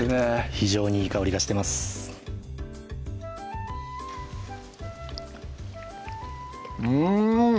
非常にいい香りがしてますうん！